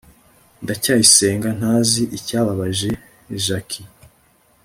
ndacyayisenga ntazi icyababaje jaki